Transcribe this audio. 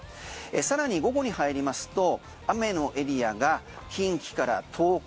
さらに午後に入りますと雨のエリアが近畿から東海